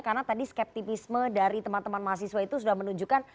karena tadi skeptisme dari teman teman mahasiswa itu sudah menunjukkan